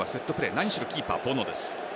何しろキーパーはボノです。